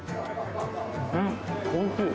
うん。